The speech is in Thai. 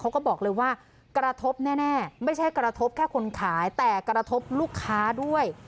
เขาก็บอกเลยว่ากระทบแน่ไม่ใช่กระทบแค่คนขายแต่กระทบลูกค้าด้วย